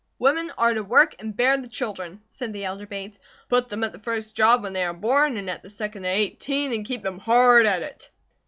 "Women are to work and to bear children," said the elder Bates. "Put them at the first job when they are born, and at the second at eighteen, and keep them hard at it."